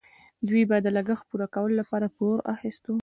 دوی به د لګښت پوره کولو لپاره پور اخیست.